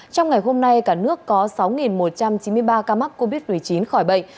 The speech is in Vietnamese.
trong ngày hôm nay cả nước có sáu một trăm chín mươi ba ca mắc covid một mươi chín khỏi bệnh